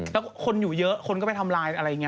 แล้วคนอยู่เยอะคนก็ไปทำลายอะไรอย่างนี้